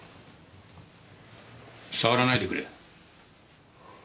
触らないでくれ。